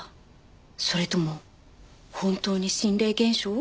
それとも本当に心霊現象？